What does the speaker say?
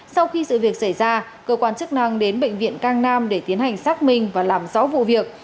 sau khi sự việc xảy ra cơ quan chức năng đến bệnh viện cang nam để tiến hành xác minh và làm rõ vụ việc